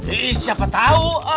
eh siapa tau